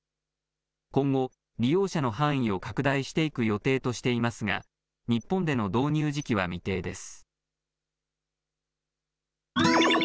今後、利用者の範囲を拡大していく予定としていますが、日本での導入時期は未定です。